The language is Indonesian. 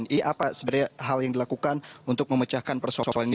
ini apa sebenarnya hal yang dilakukan untuk memecahkan persorolan ini